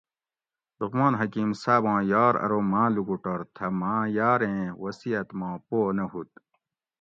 لقمان حکیم صاباں یار ارو ماں لوکوٹور تھہ ماں یاریں وصیت ما پو نہ ہُوت